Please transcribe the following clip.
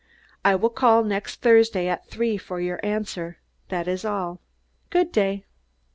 I will call next Thursday at three for your answer. That is all. Good day!"